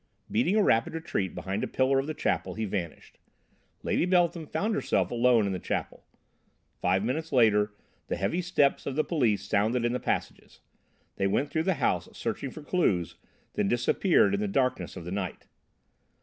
Beating a rapid retreat behind a pillar of the chapel he vanished. Lady Beltham found herself alone in the chapel. Five minutes later the heavy steps of the police sounded in the passages. They went through the house, searching for clues, then disappeared in the darkness of the night.